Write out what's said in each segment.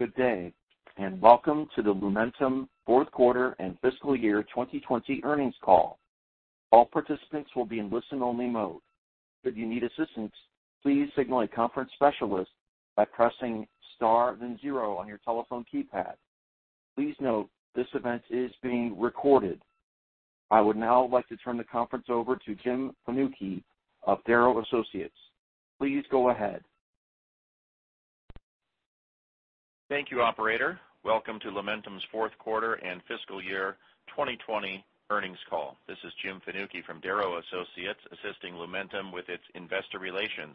Good day. Welcome to the Lumentum fourth quarter and fiscal year 2020 earnings call. All participants will be in listen-only mode. If you need assistance, please signal a conference specialist by pressing star then zero on your telephone keypad. Please note this event is being recorded. I would now like to turn the conference over to Jim Fanucchi of Darrow Associates. Please go ahead. Thank you, operator. Welcome to Lumentum's fourth quarter and fiscal year 2020 earnings call. This is Jim Fanucchi from Darrow Associates, assisting Lumentum with its investor relations.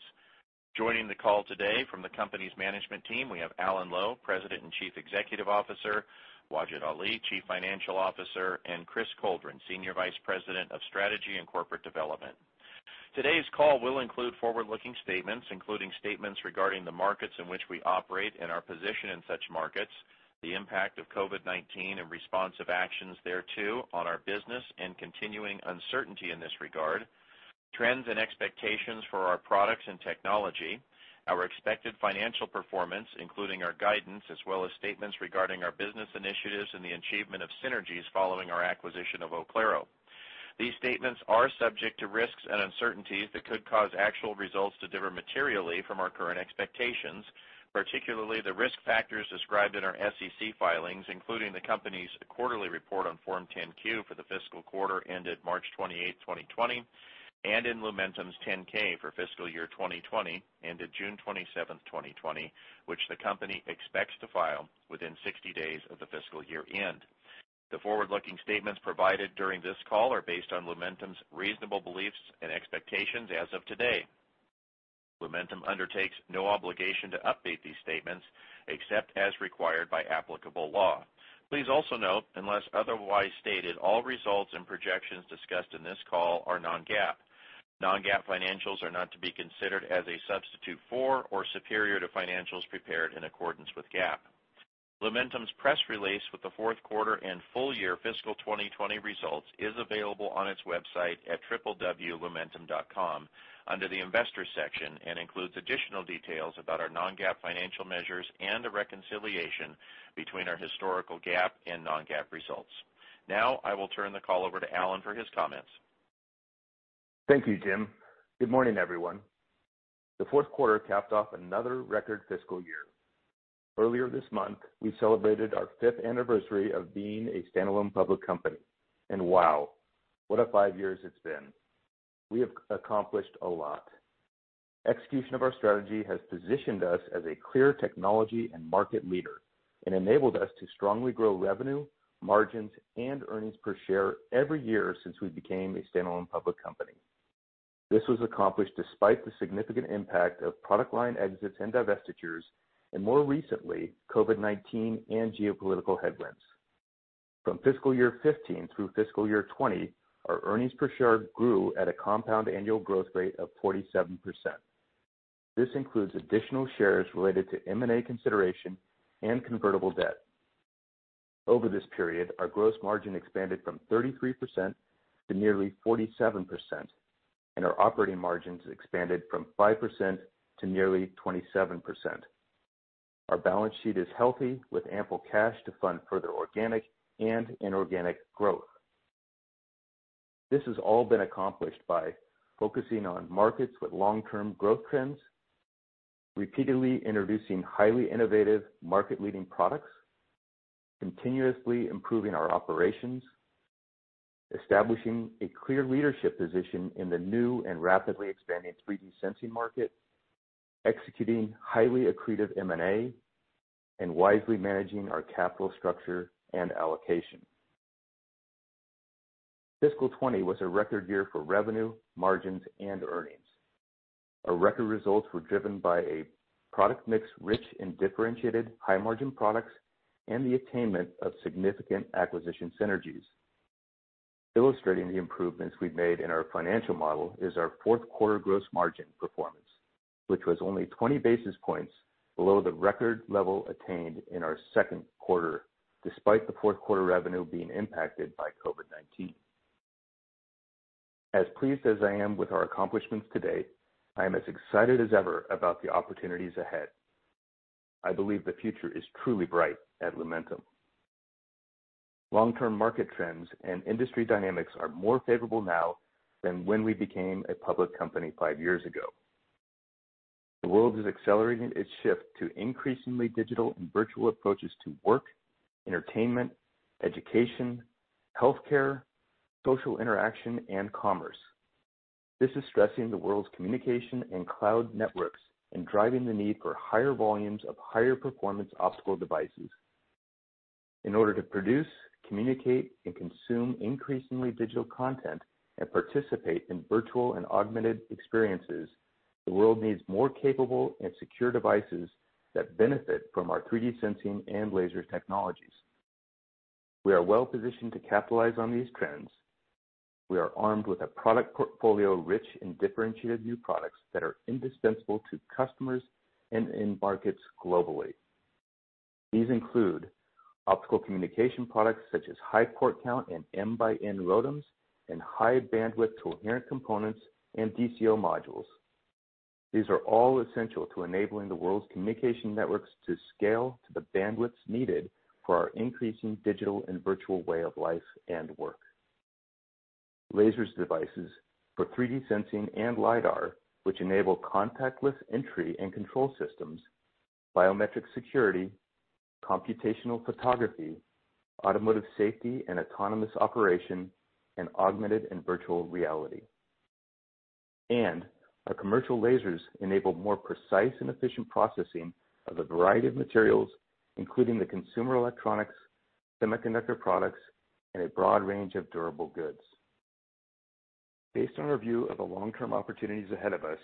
Joining the call today from the company's management team, we have Alan Lowe, President and Chief Executive Officer, Wajid Ali, Chief Financial Officer, and Chris Coldren, Senior Vice President of Strategy and Corporate Development. Today's call will include forward-looking statements, including statements regarding the markets in which we operate and our position in such markets, the impact of COVID-19 and responsive actions thereto on our business, and continuing uncertainty in this regard, trends and expectations for our products and technology, our expected financial performance, including our guidance, as well as statements regarding our business initiatives and the achievement of synergies following our acquisition of Oclaro. These statements are subject to risks and uncertainties that could cause actual results to differ materially from our current expectations, particularly the risk factors described in our SEC filings, including the company's quarterly report on Form 10-Q for the fiscal quarter ended March 28th, 2020, and in Lumentum's 10-K for fiscal year 2020, ended June 27th, 2020, which the company expects to file within 60 days of the fiscal year-end. The forward-looking statements provided during this call are based on Lumentum's reasonable beliefs and expectations as of today. Lumentum undertakes no obligation to update these statements, except as required by applicable law. Please also note, unless otherwise stated, all results and projections discussed in this call are non-GAAP. Non-GAAP financials are not to be considered as a substitute for or superior to financials prepared in accordance with GAAP. Lumentum's press release with the fourth quarter and full year fiscal 2020 results is available on its website at www.lumentum.com under the Investors section and includes additional details about our non-GAAP financial measures and a reconciliation between our historical GAAP and non-GAAP results. Now, I will turn the call over to Alan for his comments. Thank you, Jim. Good morning, everyone. The fourth quarter capped off another record fiscal year. Earlier this month, we celebrated our fifth anniversary of being a stand-alone public company. Wow, what a five years it's been. We have accomplished a lot. Execution of our strategy has positioned us as a clear technology and market leader and enabled us to strongly grow revenue, margins, and earnings per share every year since we became a stand-alone public company. This was accomplished despite the significant impact of product line exits and divestitures, and more recently, COVID-19 and geopolitical headwinds. From fiscal year 2015 through fiscal year 2020, our earnings per share grew at a compound annual growth rate of 47%. This includes additional shares related to M&A consideration and convertible debt. Over this period, our gross margin expanded from 33% to nearly 47%, and our operating margins expanded from 5% to nearly 27%. Our balance sheet is healthy, with ample cash to fund further organic and inorganic growth. This has all been accomplished by focusing on markets with long-term growth trends, repeatedly introducing highly innovative market-leading products, continuously improving our operations, establishing a clear leadership position in the new and rapidly expanding 3D sensing market, executing highly accretive M&A, and wisely managing our capital structure and allocation. Fiscal 2020 was a record year for revenue, margins, and earnings. Our record results were driven by a product mix rich in differentiated high-margin products and the attainment of significant acquisition synergies. Illustrating the improvements we've made in our financial model is our fourth quarter gross margin performance, which was only 20 basis points below the record level attained in our second quarter, despite the fourth quarter revenue being impacted by COVID-19. As pleased as I am with our accomplishments to date, I am as excited as ever about the opportunities ahead. I believe the future is truly bright at Lumentum. Long-term market trends and industry dynamics are more favorable now than when we became a public company five years ago. The world is accelerating its shift to increasingly digital and virtual approaches to work, entertainment, education, healthcare, social interaction, and commerce. This is stressing the world's communication and cloud networks and driving the need for higher volumes of higher performance optical devices. In order to produce, communicate, and consume increasingly digital content and participate in virtual and augmented experiences, the world needs more capable and secure devices that benefit from our 3D sensing and laser technologies. We are well-positioned to capitalize on these trends. We are armed with a product portfolio rich in differentiated new products that are indispensable to customers and in markets globally. These include optical communication products such as high port count and MxN ROADMs and high bandwidth coherent components and DCO modules. These are all essential to enabling the world's communication networks to scale to the bandwidth needed for our increasing digital and virtual way of life and work. Lasers devices for 3D sensing and LiDAR, which enable contactless entry and control systems, biometric security, computational photography, automotive safety and autonomous operation, and augmented and virtual reality. Our commercial lasers enable more precise and efficient processing of a variety of materials, including consumer electronics, semiconductor products, and a broad range of durable goods. Based on our view of the long-term opportunities ahead of us,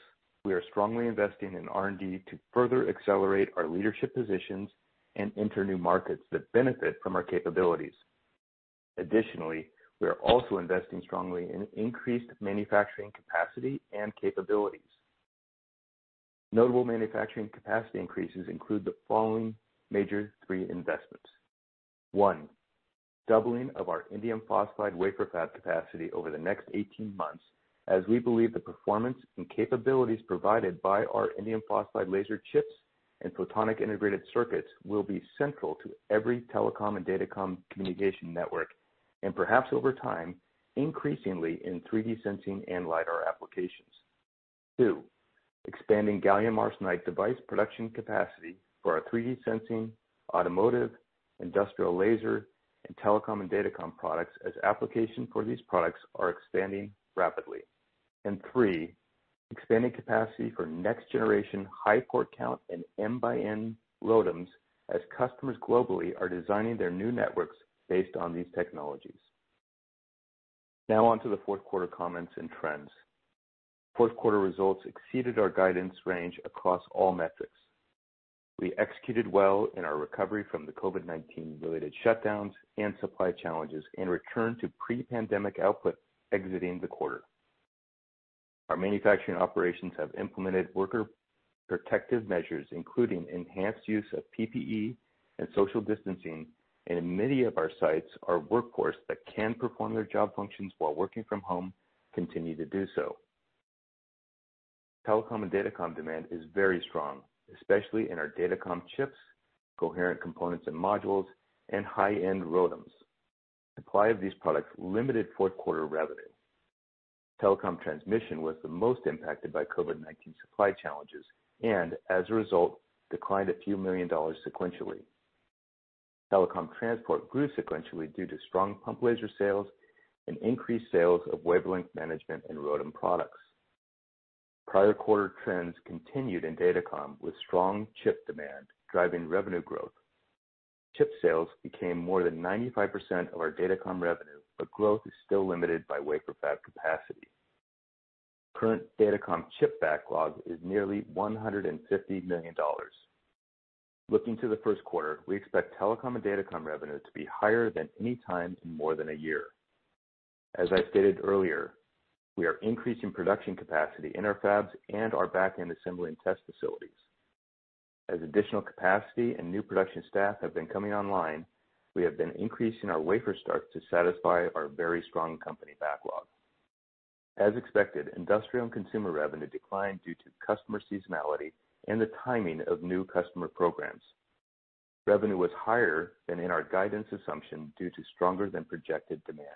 we are strongly investing in R&D to further accelerate our leadership positions and enter new markets that benefit from our capabilities. Additionally, we are also investing strongly in increased manufacturing capacity and capabilities. Notable manufacturing capacity increases include the following major three investments. One, doubling of our indium phosphide wafer fab capacity over the next 18 months, as we believe the performance and capabilities provided by our indium phosphide laser chips and photonic integrated circuits will be central to every telecom and datacom communication network, and perhaps over time, increasingly in 3D sensing and LiDAR applications. Two, expanding gallium arsenide device production capacity for our 3D sensing, automotive, industrial laser, and telecom and datacom products as application for these products are expanding rapidly. Three, expanding capacity for next-generation high port count and MxN ROADMs as customers globally are designing their new networks based on these technologies. On to the fourth quarter comments and trends. Fourth quarter results exceeded our guidance range across all metrics. We executed well in our recovery from the COVID-19 related shutdowns and supply challenges and returned to pre-pandemic output exiting the quarter. Our manufacturing operations have implemented worker protective measures, including enhanced use of PPE and social distancing, and in many of our sites, our workforce that can perform their job functions while working from home continue to do so. Telecom and datacom demand is very strong, especially in our datacom chips, coherent components and modules, and high-end ROADMs. Supply of these products limited fourth quarter revenue. Telecom transmission was the most impacted by COVID-19 supply challenges, and as a result, declined a few million dollars sequentially. Telecom transport grew sequentially due to strong pump laser sales and increased sales of wavelength management and ROADM products. Prior quarter trends continued in datacom with strong chip demand driving revenue growth. Chip sales became more than 95% of our datacom revenue, but growth is still limited by wafer fab capacity. Current datacom chip backlog is nearly $150 million. Looking to the first quarter, we expect telecom and datacom revenue to be higher than any time in more than a year. As I stated earlier, we are increasing production capacity in our fabs and our back-end assembly and test facilities. As additional capacity and new production staff have been coming online, we have been increasing our wafer start to satisfy our very strong company backlog. As expected, industrial and consumer revenue declined due to customer seasonality and the timing of new customer programs. Revenue was higher than in our guidance assumption due to stronger than projected demand.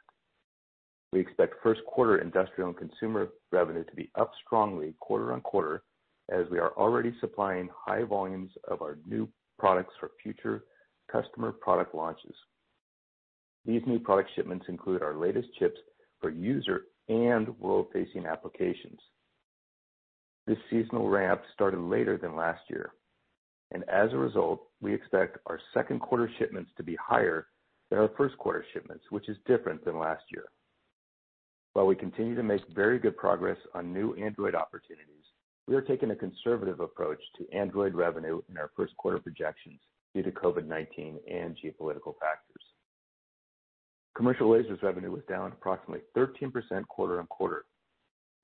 We expect first quarter industrial and consumer revenue to be up strongly quarter-on-quarter as we are already supplying high volumes of our new products for future customer product launches. These new product shipments include our latest chips for user and world-facing applications. This seasonal ramp started later than last year, and as a result, we expect our second quarter shipments to be higher than our first quarter shipments, which is different than last year. While we continue to make very good progress on new Android opportunities, we are taking a conservative approach to Android revenue in our first quarter projections due to COVID-19 and geopolitical factors. Commercial lasers revenue was down approximately 13% quarter-on-quarter.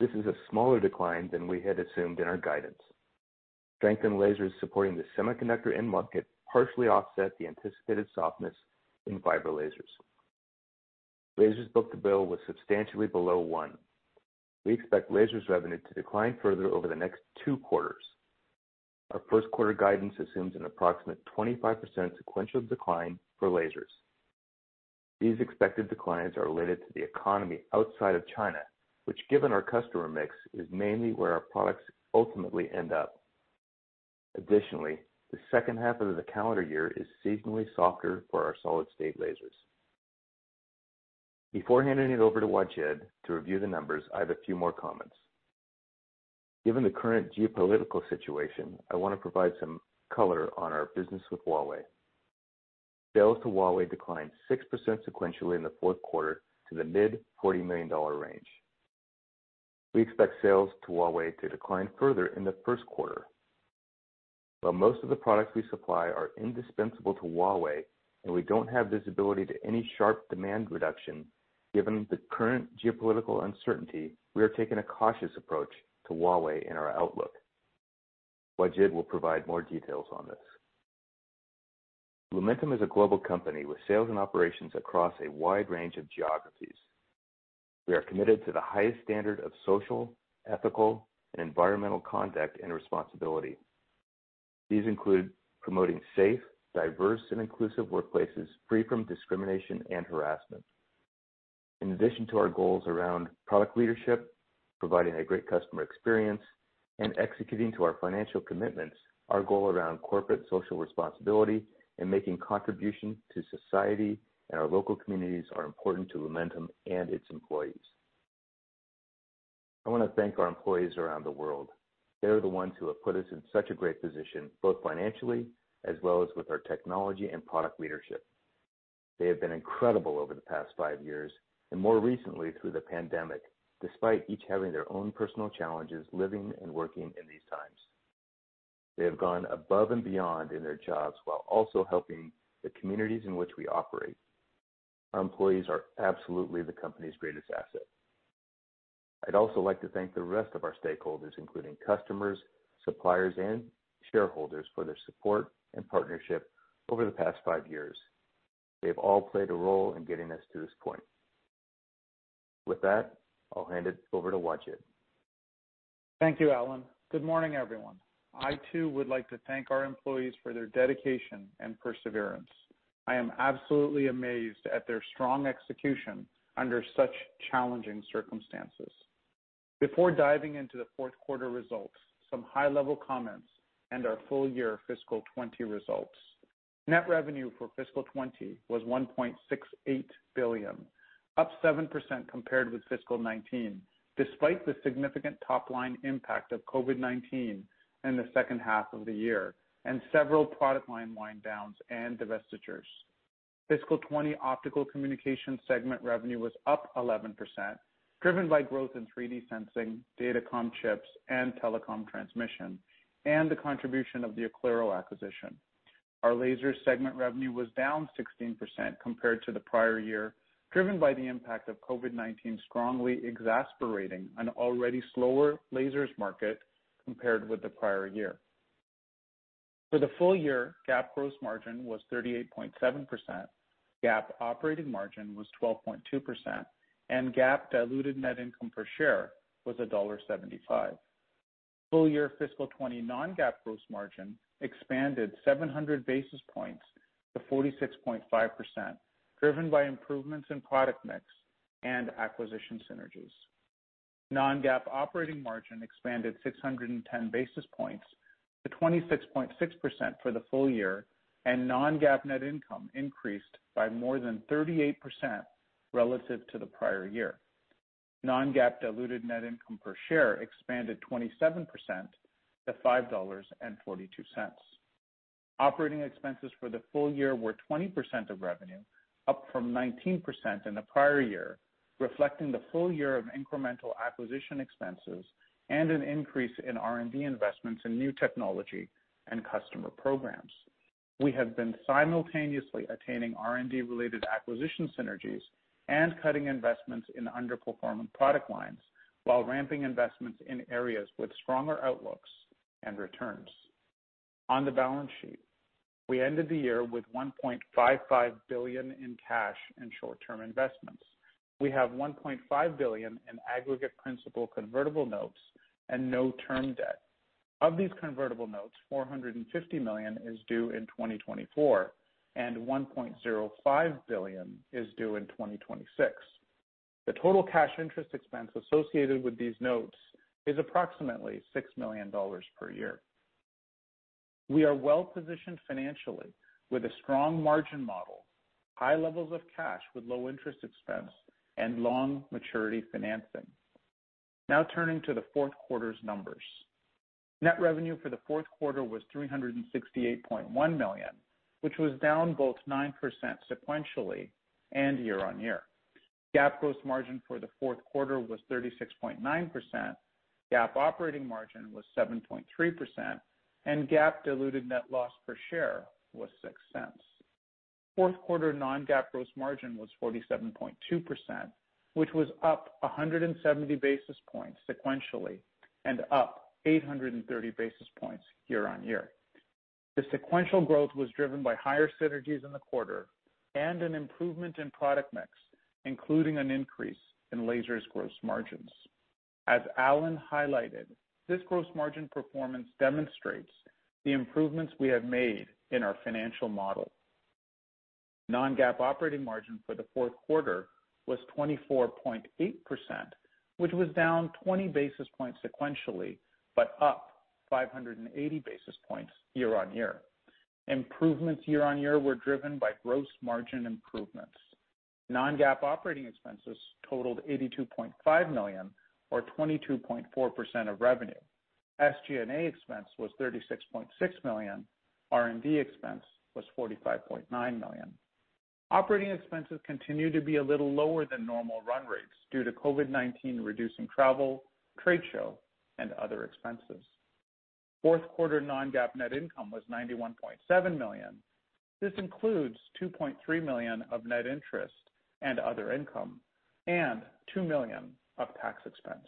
This is a smaller decline than we had assumed in our guidance. Strength in lasers supporting the semiconductor end market partially offset the anticipated softness in fiber lasers. Lasers book to bill was substantially below one. We expect lasers revenue to decline further over the next two quarters. Our first quarter guidance assumes an approximate 25% sequential decline for lasers. These expected declines are related to the economy outside of China, which given our customer mix, is mainly where our products ultimately end up. Additionally, the second half of the calendar year is seasonally softer for our solid-state lasers. Before handing it over to Wajid to review the numbers, I have a few more comments. Given the current geopolitical situation, I want to provide some color on our business with Huawei. Sales to Huawei declined 6% sequentially in the fourth quarter to the mid $40 million range. We expect sales to Huawei to decline further in the first quarter. While most of the products we supply are indispensable to Huawei, and we don't have visibility to any sharp demand reduction, given the current geopolitical uncertainty, we are taking a cautious approach to Huawei in our outlook. Wajid will provide more details on this. Lumentum is a global company with sales and operations across a wide range of geographies. We are committed to the highest standard of social, ethical, and environmental conduct and responsibility. These include promoting safe, diverse, and inclusive workplaces free from discrimination and harassment. In addition to our goals around product leadership, providing a great customer experience, and executing to our financial commitments, our goal around corporate social responsibility and making contribution to society and our local communities are important to Lumentum and its employees. I want to thank our employees around the world. They are the ones who have put us in such a great position, both financially as well as with our technology and product leadership. They have been incredible over the past five years, and more recently through the pandemic, despite each having their own personal challenges living and working in these times. They have gone above and beyond in their jobs while also helping the communities in which we operate. Our employees are absolutely the company's greatest asset. I'd also like to thank the rest of our stakeholders, including customers, suppliers, and shareholders, for their support and partnership over the past five years. They've all played a role in getting us to this point. With that, I'll hand it over to Wajid. Thank you, Alan. Good morning, everyone. I, too, would like to thank our employees for their dedication and perseverance. I am absolutely amazed at their strong execution under such challenging circumstances. Before diving into the fourth quarter results, some high-level comments and our full year fiscal 2020 results. Net revenue for fiscal 2020 was $1.68 billion, up 7% compared with fiscal 2019, despite the significant top-line impact of COVID-19 in the second half of the year and several product line wind downs and divestitures. Fiscal 2020 optical communication segment revenue was up 11%, driven by growth in 3D sensing, datacom chips, and telecom transmission, and the contribution of the Oclaro acquisition. Our lasers segment revenue was down 16% compared to the prior year, driven by the impact of COVID-19 strongly exacerbating an already slower lasers market compared with the prior year. For the full year, GAAP gross margin was 38.7%, GAAP operating margin was 12.2%, and GAAP diluted net income per share was $1.75. Full year fiscal 2020 non-GAAP gross margin expanded 700 basis points to 46.5%, driven by improvements in product mix and acquisition synergies. Non-GAAP operating margin expanded 610 basis points to 26.6% for the full year, and non-GAAP net income increased by more than 38% relative to the prior year. Non-GAAP diluted net income per share expanded 27% to $5.42. Operating expenses for the full year were 20% of revenue, up from 19% in the prior year, reflecting the full year of incremental acquisition expenses and an increase in R&D investments in new technology and customer programs. We have been simultaneously attaining R&D-related acquisition synergies and cutting investments in underperforming product lines while ramping investments in areas with stronger outlooks and returns. On the balance sheet, we ended the year with $1.55 billion in cash and short-term investments. We have $1.5 billion in aggregate principal convertible notes and no term debt. Of these convertible notes, $450 million is due in 2024, and $1.05 billion is due in 2026. The total cash interest expense associated with these notes is approximately $6 million per year. We are well-positioned financially with a strong margin model, high levels of cash with low interest expense, and long maturity financing. Turning to the fourth quarter's numbers. Net revenue for the fourth quarter was $368.1 million, which was down both 9% sequentially and year-on-year. GAAP gross margin for the fourth quarter was 36.9%, GAAP operating margin was 7.3%, and GAAP diluted net loss per share was $0.06. Fourth quarter non-GAAP gross margin was 47.2%, which was up 170 basis points sequentially and up 830 basis points year-on-year. The sequential growth was driven by higher synergies in the quarter and an improvement in product mix, including an increase in lasers gross margins. As Alan highlighted, this gross margin performance demonstrates the improvements we have made in our financial model. Non-GAAP operating margin for the fourth quarter was 24.8%, which was down 20 basis points sequentially, but up 580 basis points year-on-year. Improvements year-on-year were driven by gross margin improvements. Non-GAAP operating expenses totaled $82.5 million, or 22.4% of revenue. SG&A expense was $36.6 million. R&D expense was $45.9 million. Operating expenses continue to be a little lower than normal run rates due to COVID-19 reducing travel, trade show, and other expenses. Fourth quarter non-GAAP net income was $91.7 million. This includes $2.3 million of net interest and other income, and $2 million of tax expense.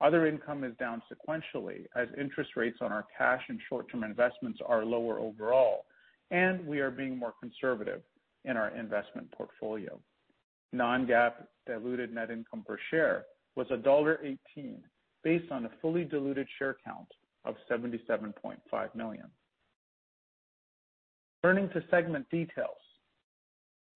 Other income is down sequentially as interest rates on our cash and short-term investments are lower overall, and we are being more conservative in our investment portfolio. Non-GAAP diluted net income per share was $1.18, based on a fully diluted share count of $77.5 million. Turning to segment details.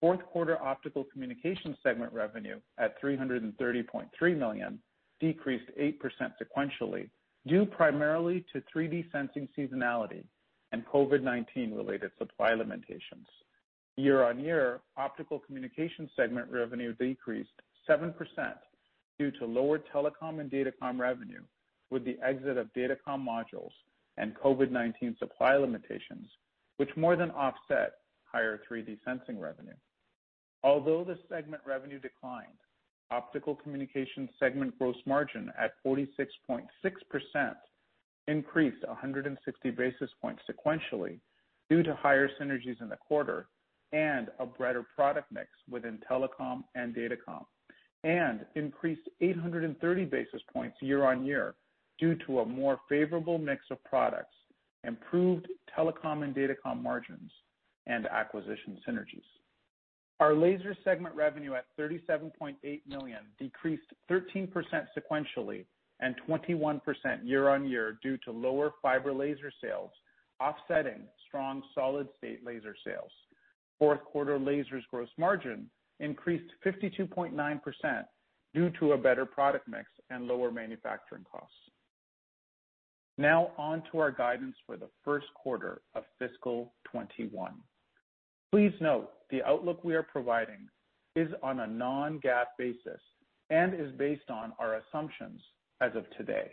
Fourth quarter Optical Communication Segment revenue at $330.3 million decreased 8% sequentially due primarily to 3D sensing seasonality and COVID-19 related supply limitations. Year-on-year, Optical Communication Segment revenue decreased 7% due to lower telecom and datacom revenue, with the exit of datacom modules and COVID-19 supply limitations, which more than offset higher 3D sensing revenue. Although the segment revenue declined, optical communication segment gross margin at 46.6% increased 160 basis points sequentially due to higher synergies in the quarter and a brighter product mix within telecom and datacom, and increased 830 basis points year-on-year due to a more favorable mix of products, improved telecom and datacom margins, and acquisition synergies. Our laser segment revenue at $37.8 million decreased 13% sequentially and 21% year-on-year due to lower fiber laser sales offsetting strong solid-state laser sales. Fourth quarter lasers gross margin increased 52.9% due to a better product mix and lower manufacturing costs. Now on to our guidance for the first quarter of fiscal 2021. Please note the outlook we are providing is on a non-GAAP basis and is based on our assumptions as of today.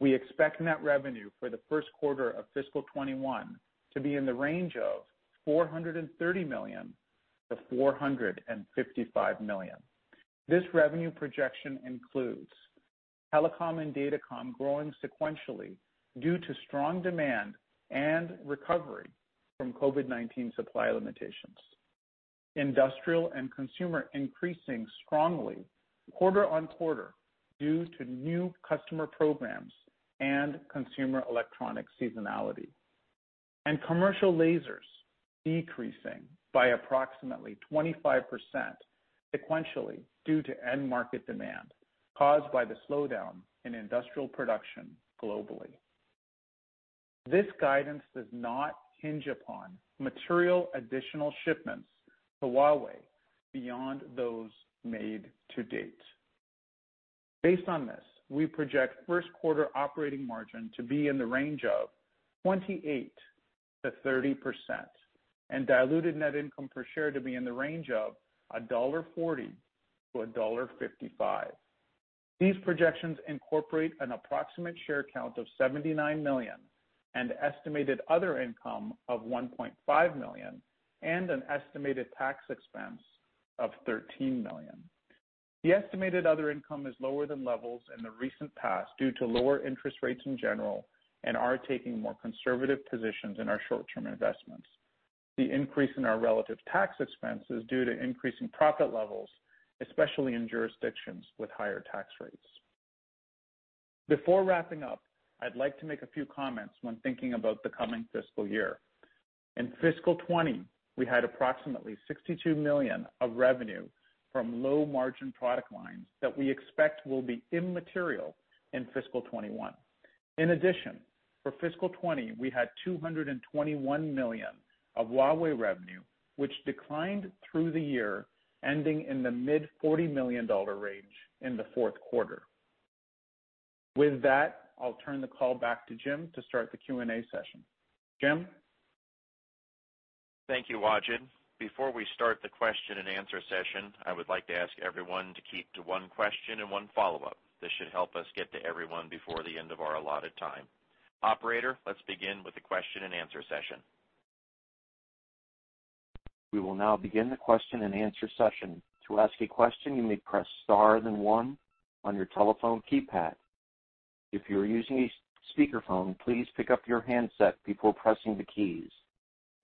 We expect net revenue for the first quarter of fiscal 2021 to be in the range of $430 million-$455 million. This revenue projection includes telecom and datacom growing sequentially due to strong demand and recovery from COVID-19 supply limitations. Industrial and consumer increasing strongly quarter-on-quarter due to new customer programs and consumer electronic seasonality. Commercial lasers decreasing by approximately 25% sequentially due to end-market demand caused by the slowdown in industrial production globally. This guidance does not hinge upon material additional shipments to Huawei beyond those made to date. Based on this, we project first quarter operating margin to be in the range of 28%-30% and diluted net income per share to be in the range of $1.40-$1.55. These projections incorporate an approximate share count of $79 million and estimated other income of $1.5 million and an estimated tax expense of $13 million. The estimated other income is lower than levels in the recent past due to lower interest rates in general and our taking more conservative positions in our short-term investments. The increase in our relative tax expense is due to increasing profit levels, especially in jurisdictions with higher tax rates. Before wrapping up, I'd like to make a few comments when thinking about the coming fiscal year. In fiscal 2020, we had approximately $62 million of revenue from low-margin product lines that we expect will be immaterial in fiscal 2021. For fiscal 2020, we had $221 million of Huawei revenue, which declined through the year, ending in the mid $40 million range in the fourth quarter. With that, I'll turn the call back to Jim to start the Q&A session. Jim? Thank you, Wajid. Before we start the question and answer session, I would like to ask everyone to keep to one question and one follow-up. This should help us get to everyone before the end of our allotted time. Operator, let's begin with the question and answer session. We will now begin the question and answer session. To ask a question, you may now press star then one on your telephone keypad. If you are using a speakerphone, please pick up your handset before pressing the keys.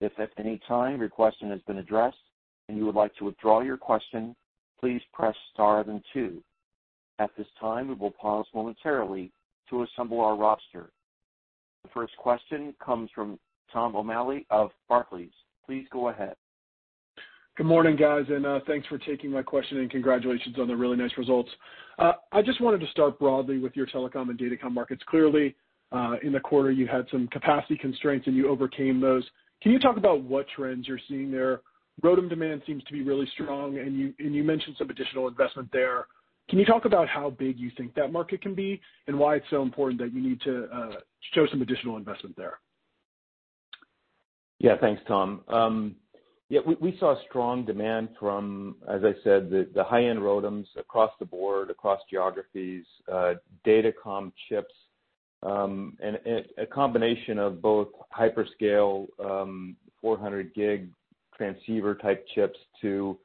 If at any time your question has been addressed and you would like to withdraw the question, please press star then two. At this time, we will pause momentarily to assemble our roster. The first question comes from Tom O'Malley of Barclays. Please go ahead. Good morning, guys. Thanks for taking my question and congratulations on the really nice results. I just wanted to start broadly with your telecom and datacom markets. Clearly, in the quarter, you had some capacity constraints and you overcame those. Can you talk about what trends you're seeing there? ROADM demand seems to be really strong, and you mentioned some additional investment there. Can you talk about how big you think that market can be and why it's so important that you need to show some additional investment there? Thanks, Tom. We saw strong demand from, as I said, the high-end ROADMs across the board, across geographies, datacom chips, a combination of both hyperscale 400 Gb transceiver type chips to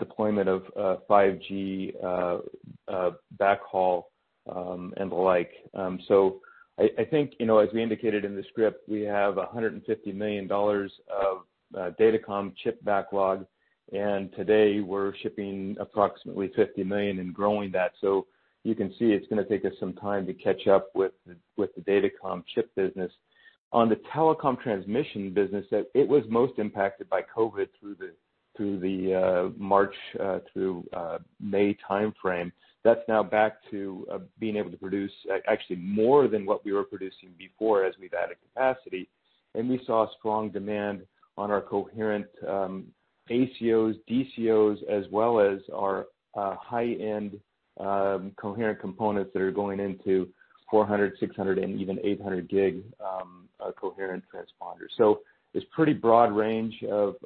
deployment of 5G backhaul and the like. As we indicated in the script, we have $150 million of datacom chip backlog. Today we're shipping approximately $50 million and growing that. You can see it's going to take us some time to catch up with the datacom chip business. On the telecom transmission business, that it was most impacted by COVID through the March through May timeframe. That's now back to being able to produce actually more than what we were producing before as we've added capacity. We saw strong demand on our coherent ACOs, DCOs, as well as our high-end coherent components that are going into 400 Gb, 600 Gb, and even 800 Gb coherent transponders. There's pretty broad range of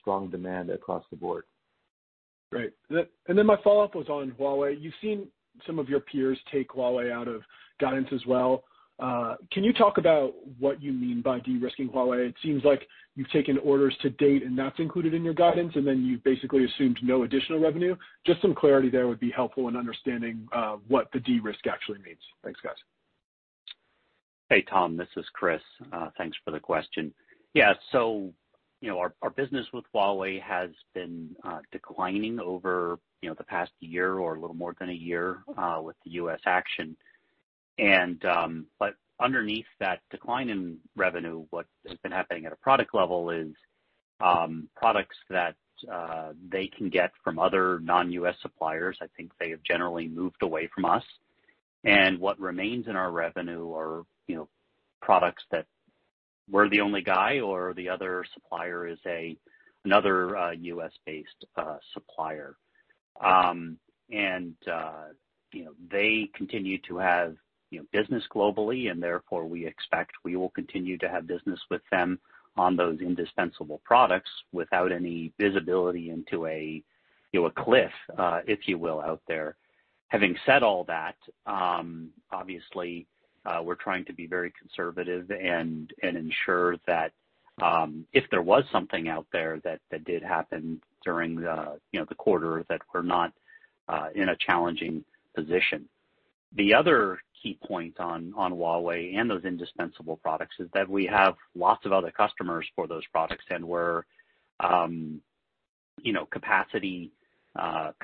strong demand across the board. Great. My follow-up was on Huawei. You've seen some of your peers take Huawei out of guidance as well. Can you talk about what you mean by de-risking Huawei? It seems like you've taken orders to date and that's included in your guidance, and then you've basically assumed no additional revenue. Just some clarity there would be helpful in understanding what the de-risk actually means. Thanks, guys. Hey, Tom, this is Chris. Thanks for the question. Our business with Huawei has been declining over the past year or a little more than a year, with the U.S. action. Underneath that decline in revenue, what has been happening at a product level is, products that they can get from other non-U.S. suppliers, I think they have generally moved away from us. What remains in our revenue are products that we're the only guy or the other supplier is another U.S.-based supplier. They continue to have business globally, and therefore, we expect we will continue to have business with them on those indispensable products without any visibility into a cliff, if you will, out there. Having said all that, obviously, we're trying to be very conservative and ensure that if there was something out there that did happen during the quarter, that we're not in a challenging position. The other key point on Huawei and those indispensable products is that we have lots of other customers for those products, and we're capacity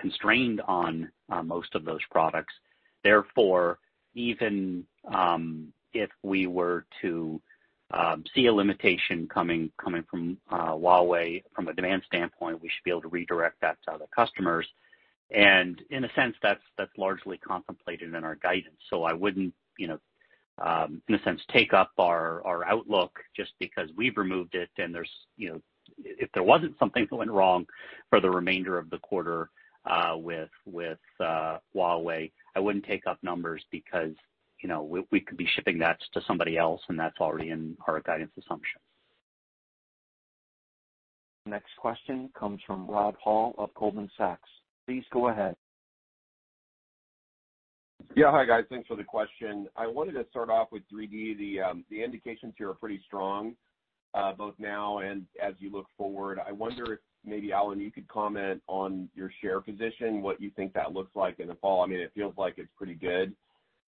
constrained on most of those products. Therefore, even if we were to see a limitation coming from Huawei from a demand standpoint, we should be able to redirect that to other customers. In a sense, that's largely contemplated in our guidance. I wouldn't, in a sense, take up our outlook just because we've removed it and if there wasn't something that went wrong for the remainder of the quarter with Huawei, I wouldn't take up numbers because we could be shipping that to somebody else, and that's already in our guidance assumption. Next question comes from Rod Hall of Goldman Sachs. Please go ahead. Yeah. Hi, guys. Thanks for the question. I wanted to start off with 3D. The indications here are pretty strong, both now and as you look forward. I wonder if maybe, Alan, you could comment on your share position, what you think that looks like in the fall. I mean, it feels like it's pretty good?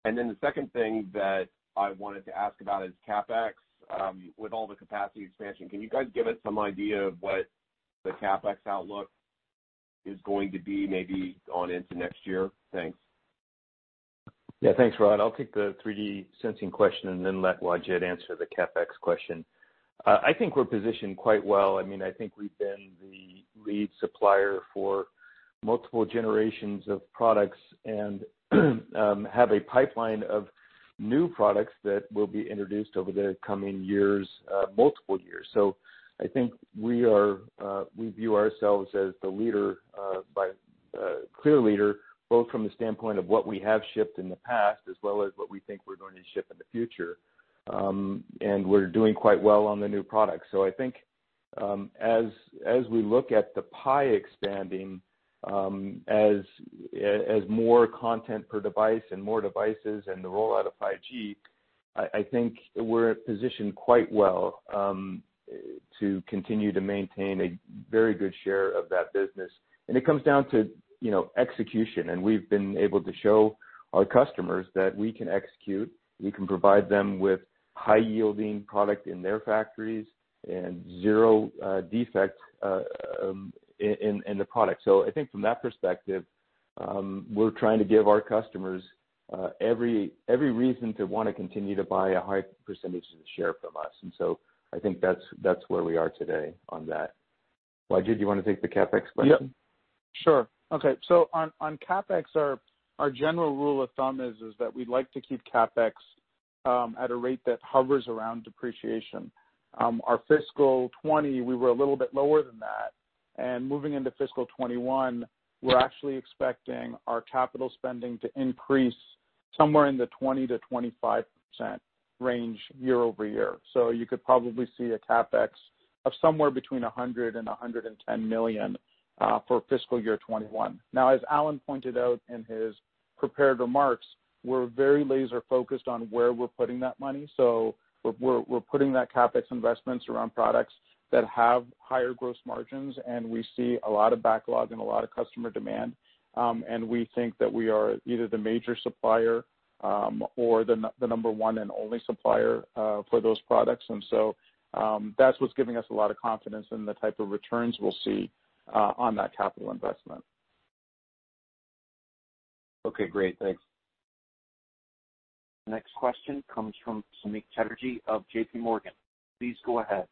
The second thing that I wanted to ask about is CapEx. With all the capacity expansion, can you guys give us some idea of what the CapEx outlook is going to be maybe on into next year? Thanks. Yeah, thanks, Rod. I'll take the 3D sensing question and then let Wajid answer the CapEx question. I think we're positioned quite well. I think we've been the lead supplier for multiple generations of products and have a pipeline of new products that will be introduced over the coming years, multiple years. I think we view ourselves as the leader, clear leader, both from the standpoint of what we have shipped in the past as well as what we think we're going to ship in the future. We're doing quite well on the new product. I think as we look at the pie expanding, as more content per device and more devices and the rollout of 5G, I think we're positioned quite well to continue to maintain a very good share of that business. It comes down to execution, and we've been able to show our customers that we can execute, we can provide them with high-yielding product in their factories and zero defects in the product. I think from that perspective, we're trying to give our customers every reason to want to continue to buy a high percentage of the share from us. I think that's where we are today on that. Wajid, do you want to take the CapEx question? Yep. Sure. Okay. On CapEx, our general rule of thumb is that we'd like to keep CapEx at a rate that hovers around depreciation. Our fiscal 2020, we were a little bit lower than that, and moving into fiscal 2021, we're actually expecting our capital spending to increase somewhere in the 20%-25% range year-over-year. You could probably see a CapEx of somewhere between $100 million-$110 million for fiscal year 2021. As Alan pointed out in his prepared remarks, we're very laser-focused on where we're putting that money. We're putting that CapEx investments around products that have higher gross margins, and we see a lot of backlog and a lot of customer demand. We think that we are either the major supplier, or the number one and only supplier for those products. That's what's giving us a lot of confidence in the type of returns we'll see on that capital investment. Okay, great. Thanks. Next question comes from Samik Chatterjee of JPMorgan. Please go ahead.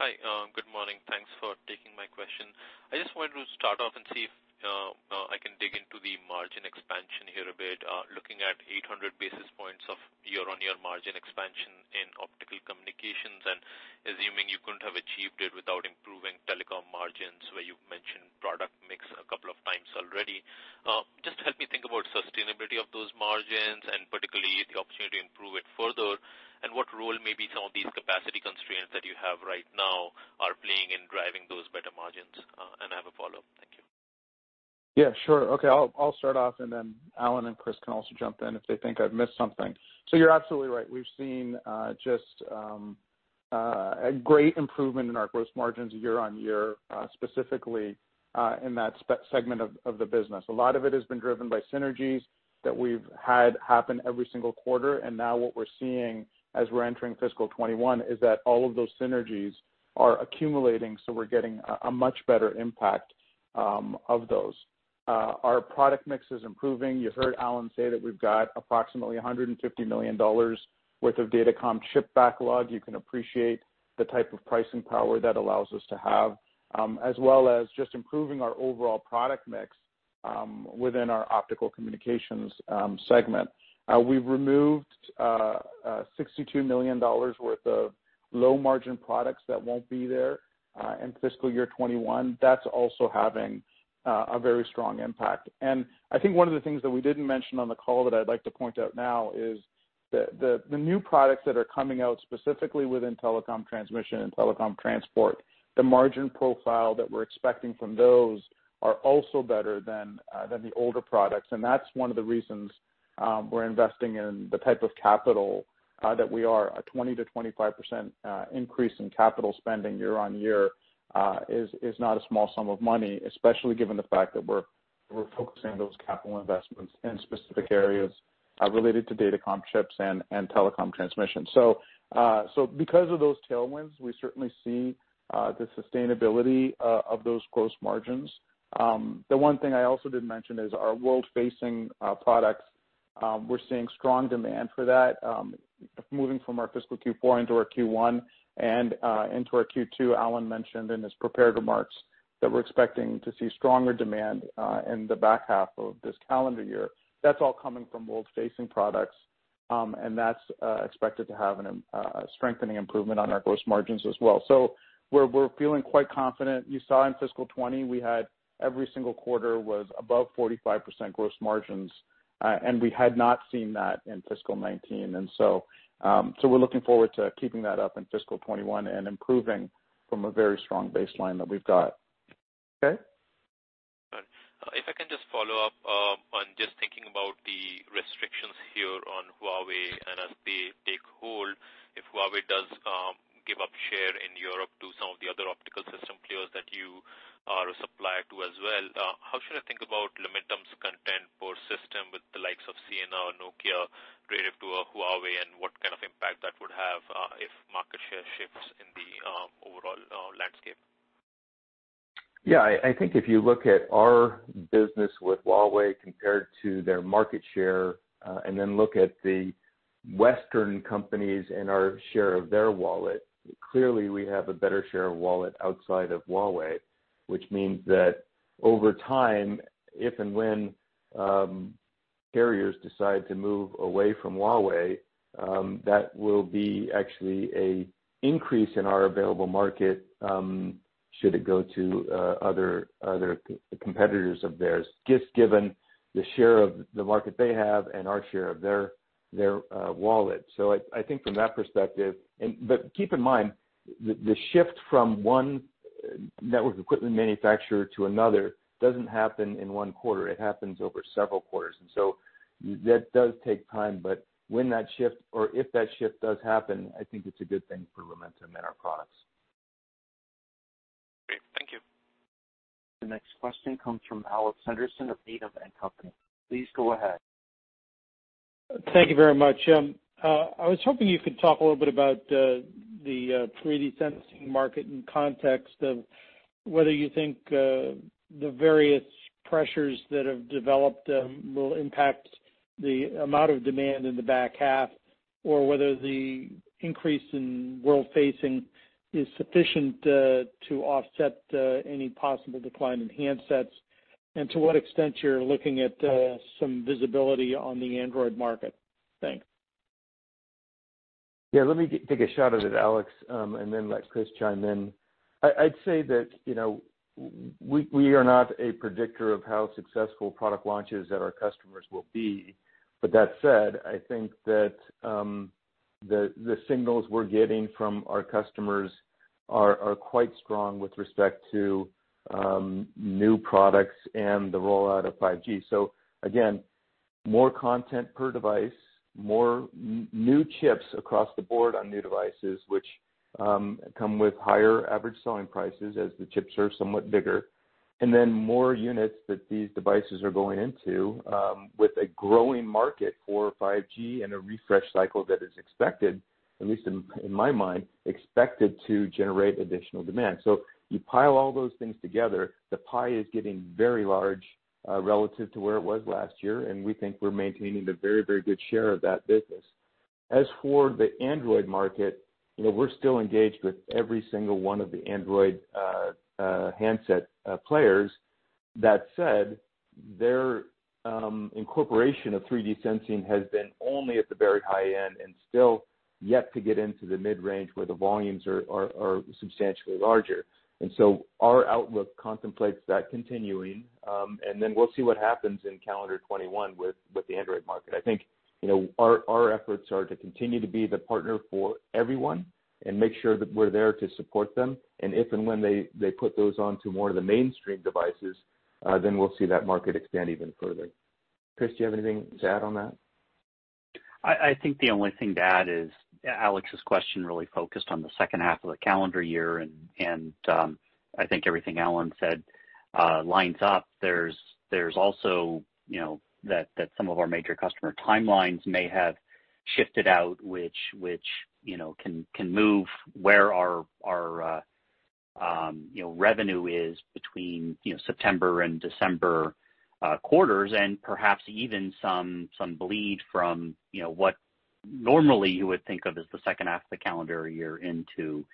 Hi. Good morning. Thanks for taking my question. I just wanted to start off and see if I can dig into the margin expansion here a bit, looking at 800 basis points of year-on-year margin expansion in optical communications, assuming you couldn't have achieved it without improving telecom margins, where you've mentioned product mix a couple of times already. Just help me think about sustainability of those margins, and particularly the opportunity to improve it further, and what role maybe some of these capacity constraints that you have right now are playing in driving those better margins? I have a follow-up. Thank you. Yeah, sure. Okay. I'll start off, and then Alan and Chris can also jump in if they think I've missed something. You're absolutely right. We've seen just a great improvement in our gross margins year-on-year, specifically in that segment of the business. A lot of it has been driven by synergies that we've had happen every single quarter. Now what we're seeing as we're entering fiscal 2021 is that all of those synergies are accumulating, we're getting a much better impact of those. Our product mix is improving. You heard Alan say that we've got approximately $150 million worth of data comm chip backlog. You can appreciate the type of pricing power that allows us to have, as well as just improving our overall product mix within our optical communications segment. We've removed $62 million worth of low-margin products that won't be there in fiscal year 2021. That's also having a very strong impact. I think one of the things that we didn't mention on the call that I'd like to point out now is the new products that are coming out specifically within telecom transmission and telecom transport, the margin profile that we're expecting from those are also better than the older products, and that's one of the reasons we're investing in the type of capital that we are. A 20%-25% increase in capital spending year-on-year is not a small sum of money, especially given the fact that we're focusing those capital investments in specific areas related to data comm chips and telecom transmission. Because of those tailwinds, we certainly see the sustainability of those gross margins. The one thing I also didn't mention is our world-facing products. We're seeing strong demand for that, moving from our fiscal Q4 into our Q1 and into our Q2. Alan mentioned in his prepared remarks that we're expecting to see stronger demand in the back half of this calendar year. That's all coming from world-facing products. That's expected to have a strengthening improvement on our gross margins as well. We're feeling quite confident. You saw in fiscal 2020, we had every single quarter was above 45% gross margins, and we had not seen that in fiscal 2019. We're looking forward to keeping that up in fiscal 2021 and improving from a very strong baseline that we've got. Okay? If I can just follow up on just thinking about the restrictions here on Huawei and as they take hold, if Huawei does give up share in Europe to some of the other optical system players that you are a supplier to as well, how should I think about Lumentum's content per system with the likes of Ciena, Nokia, relative to a Huawei, and what kind of impact that would have if market share shifts in the overall landscape? Yeah, I think if you look at our business with Huawei compared to their market share, and then look at the Western companies and our share of their wallet, clearly we have a better share of wallet outside of Huawei. Which means that over time, if and when carriers decide to move away from Huawei, that will be actually a increase in our available market should it go to other competitors of theirs, just given the share of the market they have and our share of their wallet. I think from that perspective, keep in mind, the shift from one network equipment manufacturer to another doesn't happen in one quarter. It happens over several quarters. That does take time, but when that shift or if that shift does happen, I think it's a good thing for Lumentum and our products. Great. Thank you. The next question comes from Alex Henderson of Needham & Company. Please go ahead. Thank you very much. I was hoping you could talk a little bit about the 3D sensing market in context of whether you think the various pressures that have developed will impact the amount of demand in the back half or whether the increase in world-facing is sufficient to offset any possible decline in handsets, and to what extent you're looking at some visibility on the Android market? Thanks. Yeah, let me take a shot at it, Alex, and then let Chris chime in. That said, I think that the signals we're getting from our customers are quite strong with respect to new products and the rollout of 5G. Again, more content per device, more new chips across the board on new devices, which come with higher average selling prices as the chips are somewhat bigger, and then more units that these devices are going into, with a growing market for 5G and a refresh cycle that is expected, at least in my mind, expected to generate additional demand. You pile all those things together, the pie is getting very large, relative to where it was last year, and we think we're maintaining a very, very good share of that business. As for the Android market, we're still engaged with every single one of the Android handset players. That said, their incorporation of 3D sensing has been only at the very high end and still yet to get into the mid-range where the volumes are substantially larger. Our outlook contemplates that continuing, and then we'll see what happens in calendar 2021 with the Android market. I think our efforts are to continue to be the partner for everyone and make sure that we're there to support them, and if and when they put those onto more of the mainstream devices, then we'll see that market expand even further. Chris, do you have anything to add on that? I think the only thing to add is Alex's question really focused on the second half of the calendar year, and I think everything Alan said lines up. There's also that some of our major customer timelines may have shifted out, which can move where our revenue is between September and December quarters and perhaps even some bleed from what normally you would think of as the second half of the calendar year into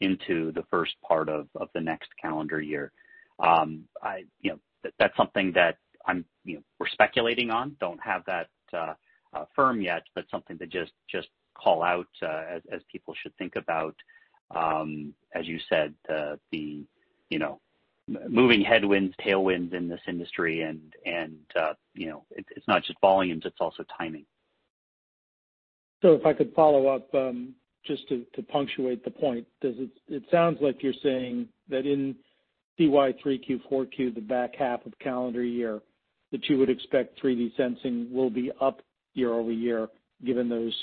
the first part of the next calendar year. That's something that we're speculating on, don't have that firm yet, but something to just call out as people should think about, as you said, the moving headwinds, tailwinds in this industry and it's not just volumes, it's also timing. If I could follow up, just to punctuate the point. It sounds like you're saying that in FY 3Q, 4Q, the back half of calendar year, that you would expect 3D sensing will be up year-over-year, given those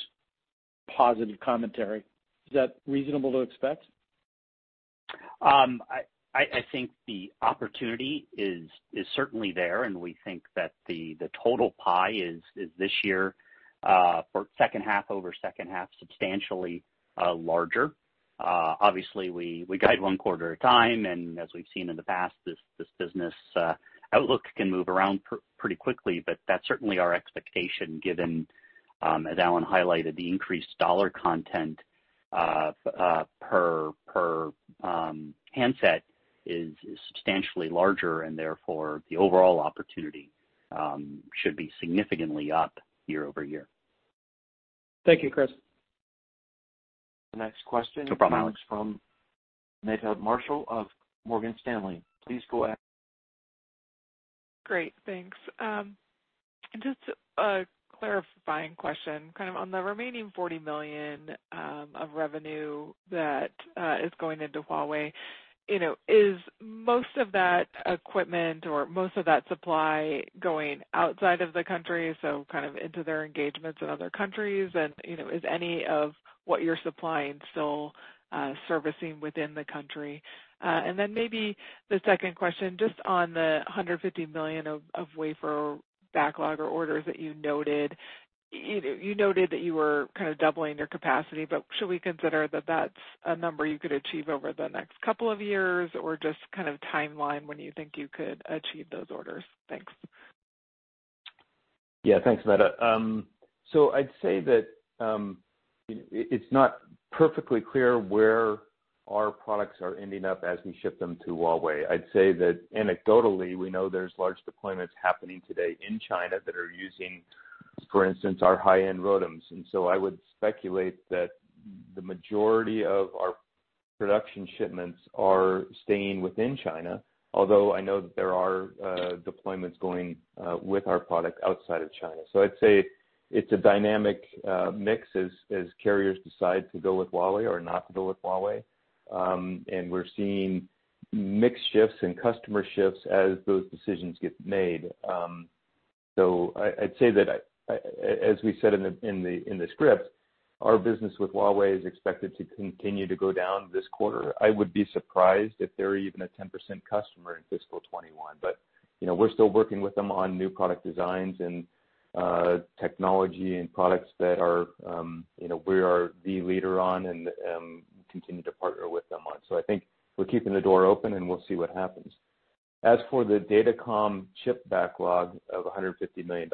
positive commentary. Is that reasonable to expect? I think the opportunity is certainly there, and we think that the total pie is this year, for second half over second half, substantially larger. Obviously we guide one quarter at a time, and as we've seen in the past, this business outlook can move around pretty quickly. That's certainly our expectation given, as Alan highlighted, the increased dollar content per handset is substantially larger and therefore the overall opportunity should be significantly up year-over-year. Thank you, Chris. The next question- No problem, Alex. ...comes from Meta Marshall of Morgan Stanley. Please go ahead. Great. Thanks. Just a clarifying question, on the remaining $40 million of revenue that is going into Huawei, is most of that equipment or most of that supply going outside of the country, so into their engagements in other countries? Is any of what you're supplying still servicing within the country? Maybe the second question, just on the $150 million of wafer backlog or orders that you noted. You noted that you were doubling your capacity, should we consider that that's a number you could achieve over the next couple of years, or just timeline when you think you could achieve those orders? Thanks. Yeah. Thanks, Meta. I'd say that it's not perfectly clear where our products are ending up as we ship them to Huawei. I'd say that anecdotally we know there's large deployments happening today in China that are using, for instance, our high-end ROADMs. I would speculate that the majority of our production shipments are staying within China, although I know that there are deployments going with our product outside of China. I'd say it's a dynamic mix as carriers decide to go with Huawei or not to go with Huawei. We're seeing mix shifts and customer shifts as those decisions get made. I'd say that as we said in the script, our business with Huawei is expected to continue to go down this quarter. I would be surprised if they're even a 10% customer in fiscal 2021. We're still working with them on new product designs and technology and products that we are the leader on and continue to partner with them on. I think we're keeping the door open, and we'll see what happens. As for the datacom chip backlog of $150 million,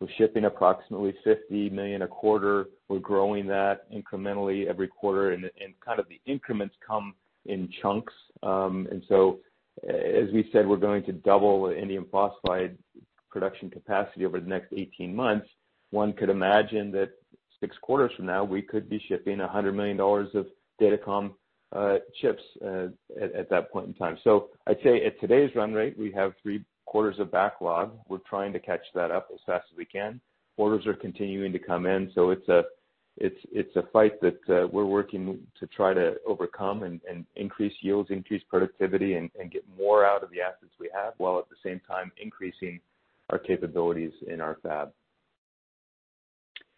again, we're shipping approximately $50 million a quarter. We're growing that incrementally every quarter, and the increments come in chunks. As we said, we're going to double the indium phosphide production capacity over the next 18 months. One could imagine that six quarters from now, we could be shipping $100 million of datacom chips at that point in time. I'd say at today's run rate, we have three quarters of backlog. We're trying to catch that up as fast as we can. Orders are continuing to come in, it's a fight that we're working to try to overcome and increase yields, increase productivity, and get more out of the assets we have, while at the same time increasing our capabilities in our lab.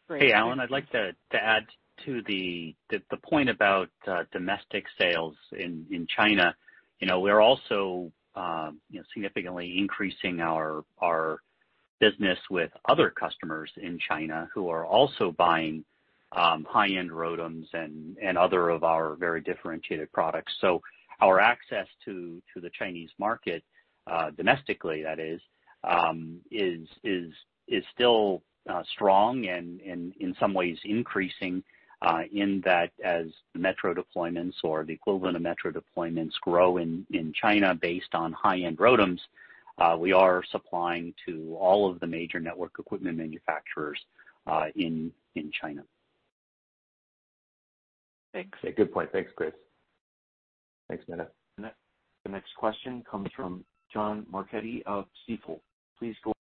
Hey, Alan, I'd like to add to the point about domestic sales in China. We're also significantly increasing our business with other customers in China who are also buying high-end ROADMs and other of our very differentiated products. Our access to the Chinese market, domestically that is still strong and in some ways increasing, in that as the metro deployments or the equivalent of metro deployments grow in China based on high-end ROADMs, we are supplying to all of the major network equipment manufacturers in China. Thanks. Good point. Thanks, Chris. Thanks, Meta. The next question comes from John Marchetti of Stifel. Please go.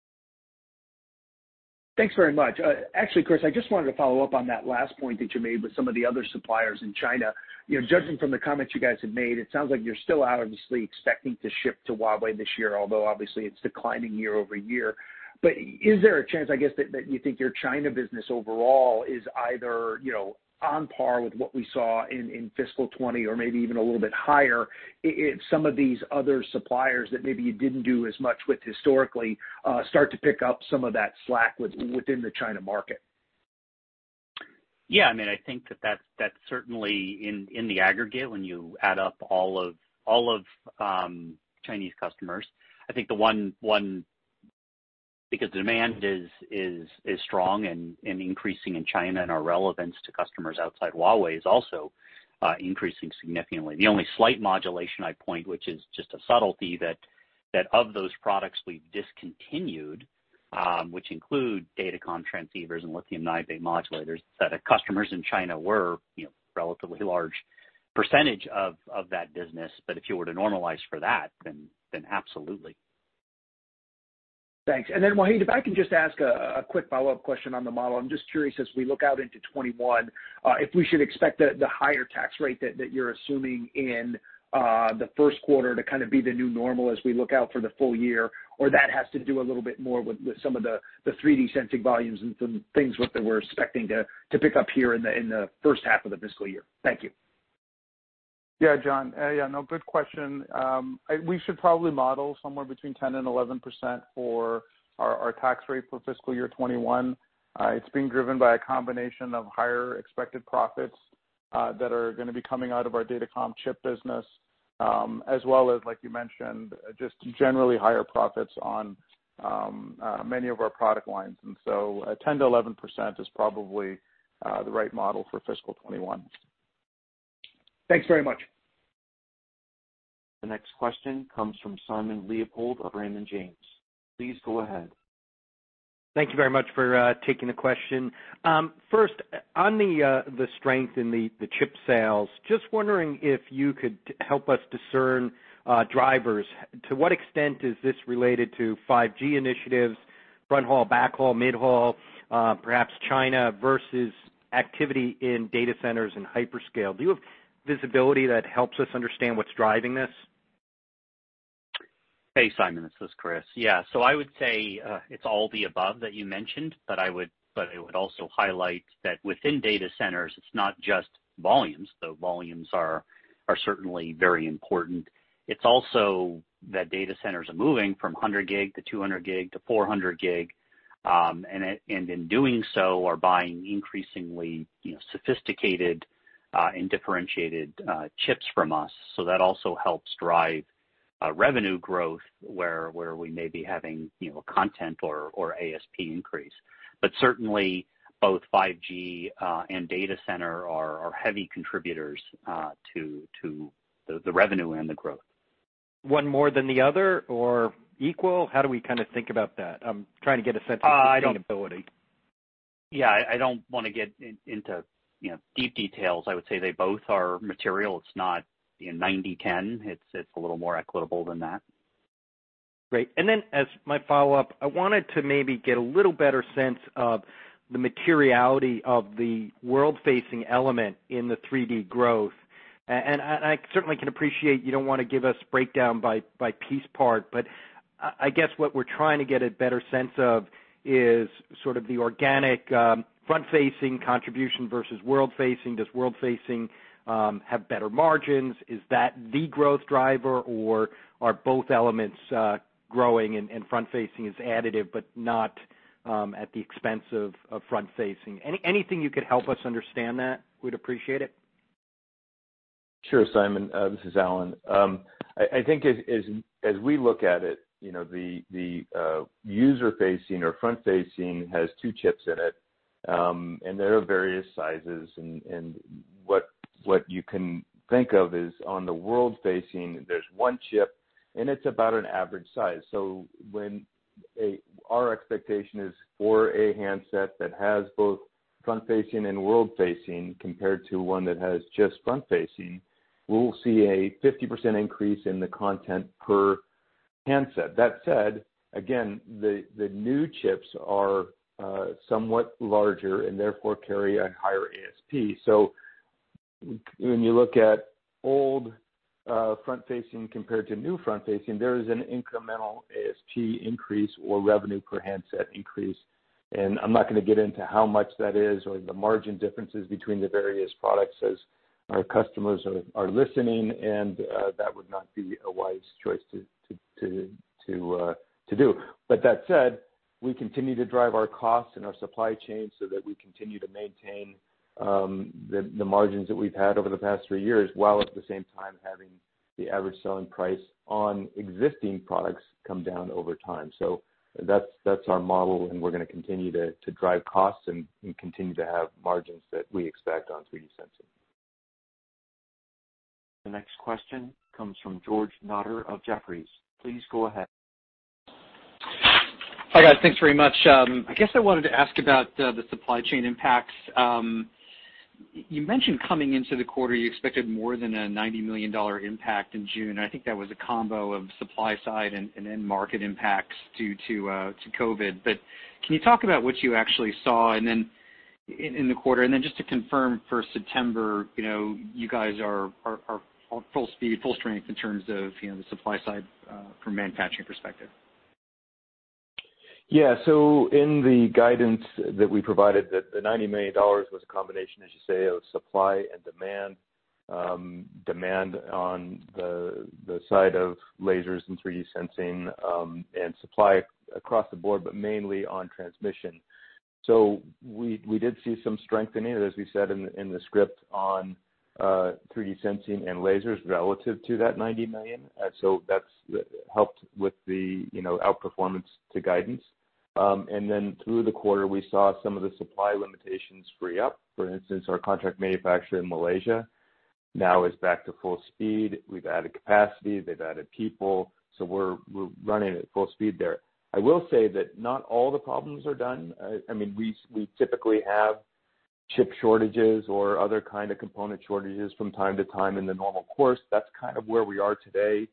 Thanks very much. Actually, Chris, I just wanted to follow up on that last point that you made with some of the other suppliers in China. Judging from the comments you guys have made, it sounds like you're still obviously expecting to ship to Huawei this year, although obviously it's declining year-over-year. Is there a chance, I guess, that you think your China business overall is either on par with what we saw in fiscal 2020 or maybe even a little bit higher if some of these other suppliers that maybe you didn't do as much with historically, start to pick up some of that slack within the China market? Yeah, I think that's certainly in the aggregate when you add up all of Chinese customers. I think because demand is strong and increasing in China and our relevance to customers outside Huawei is also increasing significantly. The only slight modulation I'd point, which is just a subtlety, that of those products we've discontinued, which include datacom transceivers and lithium niobate modulators, that our customers in China were relatively large percentage of that business. If you were to normalize for that, then absolutely. Thanks. Wajid, if I can just ask a quick follow-up question on the model. I'm just curious, as we look out into 2021, if we should expect the higher tax rate that you're assuming in the first quarter to kind of be the new normal as we look out for the full year, or that has to do a little bit more with some of the 3D sensing volumes and some things that we're expecting to pick up here in the first half of the fiscal year? Thank you. Yeah, John. Yeah, no, good question. We should probably model somewhere between 10% and 11% for our tax rate for fiscal year 2021. It is being driven by a combination of higher expected profits that are going to be coming out of our datacom chip business, as well as, like you mentioned, just generally higher profits on many of our product lines. 10%-11% is probably the right model for fiscal 2021. Thanks very much. The next question comes from Simon Leopold of Raymond James. Please go ahead. Thank you very much for taking the question. On the strength in the chip sales, just wondering if you could help us discern drivers. To what extent is this related to 5G initiatives, fronthaul, backhaul, midhaul, perhaps China versus activity in data centers and hyperscale. Do you have visibility that helps us understand what's driving this? Hey, Simon, this is Chris. Yeah. I would say it's all the above that you mentioned. I would also highlight that within data centers, it's not just volumes, though volumes are certainly very important. It's also that data centers are moving from 100 Gb to 200 Gb to 400 Gb, and in doing so, are buying increasingly sophisticated and differentiated chips from us. That also helps drive revenue growth where we may be having content or ASP increase. Certainly both 5G and data center are heavy contributors to the revenue and the growth. One more than the other or equal? How do we kind of think about that? I'm trying to get a sense of sustainability. I don't want to get into deep details. I would say they both are material. It's not 90/10. It's a little more equitable than that. Great. Then as my follow-up, I wanted to maybe get a little better sense of the materiality of the world-facing element in the 3D growth. I certainly can appreciate you don't want to give us breakdown by piece part, but I guess what we're trying to get a better sense of is sort of the organic front-facing contribution versus world-facing. Does world-facing have better margins? Is that the growth driver or are both elements growing and front facing is additive but not at the expense of front facing? Anything you could help us understand that, we'd appreciate it. Sure, Simon, this is Alan. I think as we look at it, the user facing or front facing has two chips in it, and there are various sizes and what you can think of is on the world facing, there's one chip, and it's about an average size. When our expectation is for a handset that has both front facing and world facing compared to one that has just front facing, we'll see a 50% increase in the content per handset. That said, again, the new chips are somewhat larger and therefore carry a higher ASP. When you look at old front-facing compared to new front-facing, there is an incremental ASP increase or revenue per handset increase. I'm not going to get into how much that is or the margin differences between the various products as our customers are listening, and that would not be a wise choice to do. That said, we continue to drive our costs and our supply chain so that we continue to maintain the margins that we've had over the past three years, while at the same time having the average selling price on existing products come down over time. That's our model, and we're going to continue to drive costs and continue to have margins that we expect on 3D sensing. The next question comes from George Notter of Jefferies. Please go ahead. Hi, guys. Thanks very much. I guess I wanted to ask about the supply chain impacts. You mentioned coming into the quarter, you expected more than a $90 million impact in June. I think that was a combo of supply side and end market impacts due to COVID. Can you talk about what you actually saw in the quarter? Just to confirm for September, you guys are full speed, full strength in terms of the supply side from a manufacturing perspective. Yeah. In the guidance that we provided, the $90 million was a combination, as you say, of supply and demand. Demand on the side of lasers and 3D sensing, and supply across the board, but mainly on transmission. We did see some strength in it, as we said in the script, on 3D sensing and lasers relative to that $90 million. That's helped with the outperformance to guidance. Through the quarter, we saw some of the supply limitations free up. For instance, our contract manufacturer in Malaysia now is back to full speed. We've added capacity, they've added people, so we're running at full speed there. I will say that not all the problems are done. We typically have chip shortages or other kind of component shortages from time to time in the normal course. That's kind of where we are today.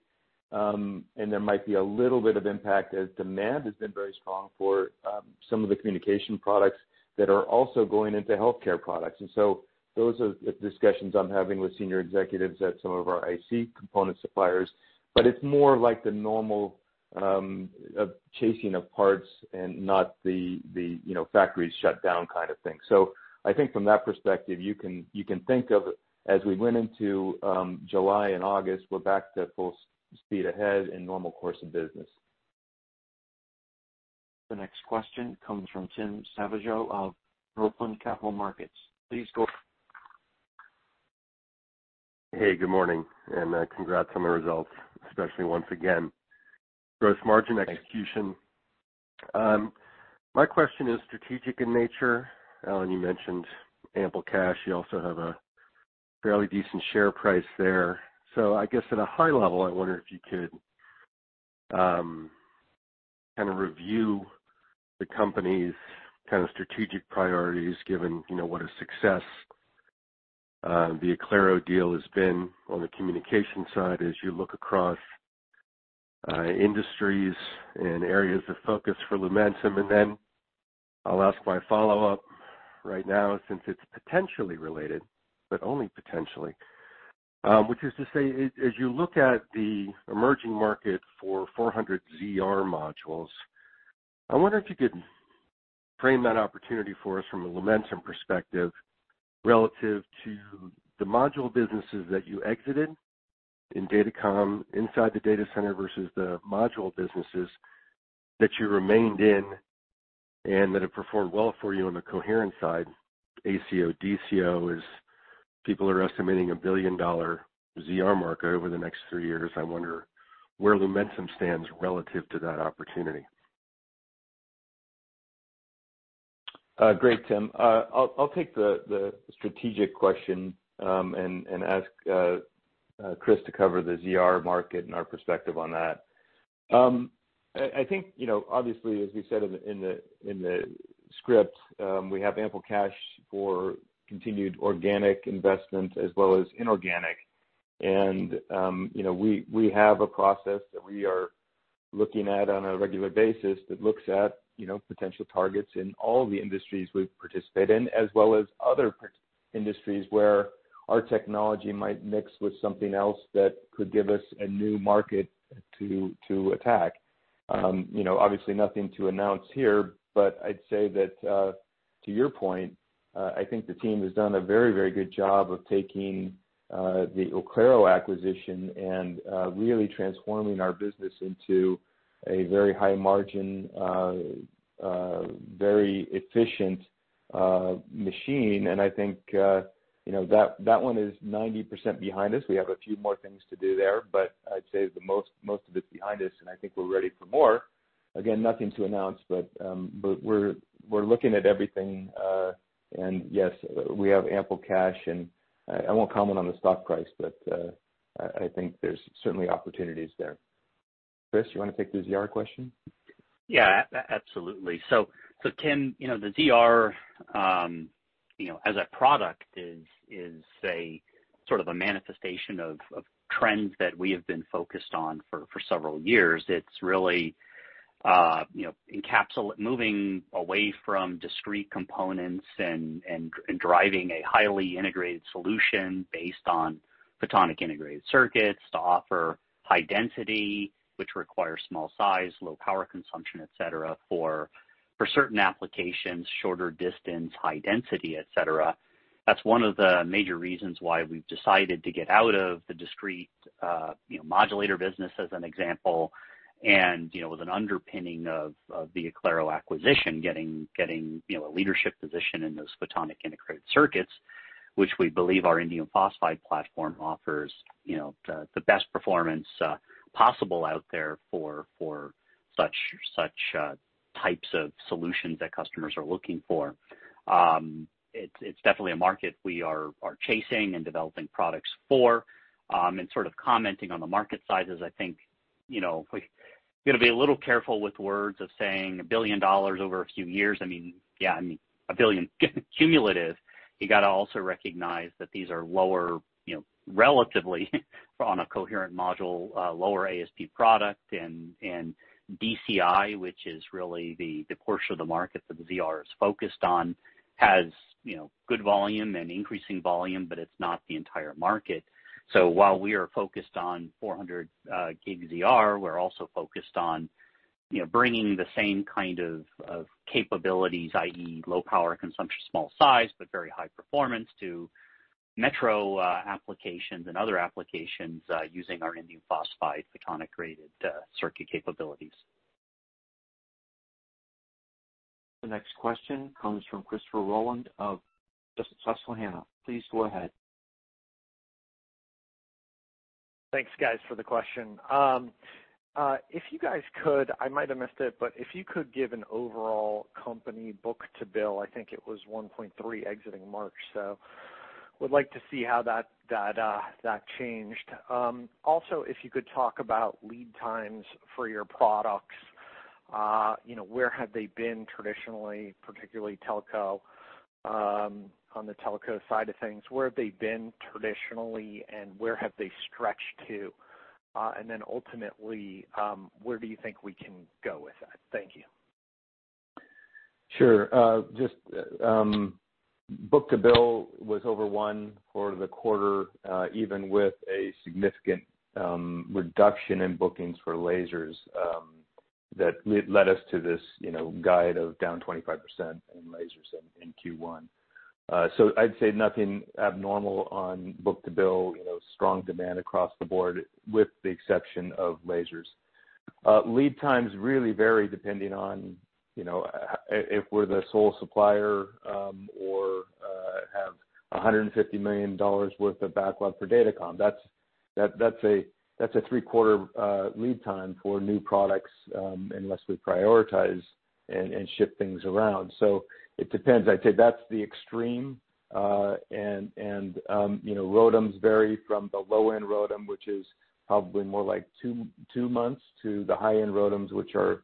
There might be a little bit of impact as demand has been very strong for some of the communication products that are also going into healthcare products. Those are the discussions I'm having with senior executives at some of our IC component suppliers. It's more like the normal chasing of parts and not the factories shut down kind of thing. I think from that perspective, you can think of as we went into July and August, we're back to full speed ahead and normal course of business. The next question comes from Tim Savageaux of Northland Capital Markets. Please go. Hey, good morning, and congrats on the results, especially once again, gross margin execution. My question is strategic in nature. Alan, you mentioned ample cash. You also have a fairly decent share price there. I guess at a high level, I wonder if you could kind of review the company's kind of strategic priorities given what a success the Oclaro deal has been on the communication side as you look across industries and areas of focus for Lumentum. I'll ask my follow-up right now, since it's potentially related, but only potentially, which is to say, as you look at the emerging market for 400ZR modules, I wonder if you could frame that opportunity for us from a Lumentum perspective relative to the module businesses that you exited in Datacom inside the data center versus the module businesses that you remained in and that have performed well for you on the coherent side, ACO, DCO. People are estimating a billion-dollar ZR market over the next three years, I wonder where Lumentum stands relative to that opportunity? Great, Tim. I'll take the strategic question, and ask Chris to cover the ZR market and our perspective on that. I think, obviously, as we said in the script, we have ample cash for continued organic investment as well as inorganic. We have a process that we are looking at on a regular basis that looks at potential targets in all of the industries we participate in, as well as other industries where our technology might mix with something else that could give us a new market to attack. Obviously nothing to announce here, but I'd say that, to your point, I think the team has done a very good job of taking the Oclaro acquisition and really transforming our business into a very high margin, very efficient machine. I think that one is 90% behind us. We have a few more things to do there, but I'd say most of it's behind us, and I think we're ready for more. Again, nothing to announce, but we're looking at everything. Yes, we have ample cash, and I won't comment on the stock price, but I think there's certainly opportunities there. Chris, you want to take the ZR question? Yeah, absolutely. Tim, the ZR as a product is sort of a manifestation of trends that we have been focused on for several years. It's really encapsulate moving away from discrete components and driving a highly integrated solution based on photonic integrated circuits to offer high density, which requires small size, low power consumption, et cetera, for certain applications, shorter distance, high density, et cetera. That's one of the major reasons why we've decided to get out of the discrete modulator business, as an example, and with an underpinning of the Oclaro acquisition, getting a leadership position in those photonic integrated circuits, which we believe our indium phosphide platform offers the best performance possible out there for such types of solutions that customers are looking for. It's definitely a market we are chasing and developing products for. Sort of commenting on the market sizes, I think, we got to be a little careful with words of saying $1 billion over a few years. $1 billion cumulative, you got to also recognize that these are lower, relatively, on a coherent module, lower ASP product. DCI, which is really the portion of the market that ZR is focused on, has good volume and increasing volume, but it's not the entire market. While we are focused on 400 Gb ZR, we're also focused on bringing the same kind of capabilities, i.e., low power consumption, small size, but very high performance to metro applications and other applications using our indium phosphide photonic integrated circuit capabilities. The next question comes from Christopher Rolland of Susquehanna. Please go ahead. Thanks, guys, for the question. If you guys could, I might have missed it, but if you could give an overall company book-to-bill, I think it was 1.3 exiting March. Would like to see how that changed. Also, if you could talk about lead times for your products. Where have they been traditionally, particularly on the telco side of things? Where have they been traditionally, and where have they stretched to? Ultimately, where do you think we can go with that? Thank you. Sure. Just book to bill was over one for the quarter, even with a significant reduction in bookings for lasers that led us to this guide of down 25% in lasers in Q1. I'd say nothing abnormal on book to bill. Strong demand across the board, with the exception of lasers. Lead times really vary depending on if we're the sole supplier or have $150 million worth of backlog for datacom. That's a three-quarter lead time for new products, unless we prioritize and ship things around. It depends. I'd say that's the extreme, and ROADMs vary from the low-end ROADM, which is probably more like two months, to the high-end ROADMs, which are